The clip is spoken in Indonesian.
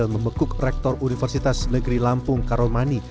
dan membekuk rektor universitas negeri lampung karomani